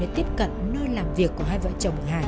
đã tiếp cận nơi làm việc của hai vợ chồng hà hiếu